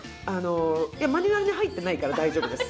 いやマニュアルに入ってないから大丈夫です。